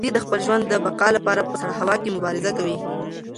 دی د خپل ژوند د بقا لپاره په سړه هوا کې مبارزه کوي.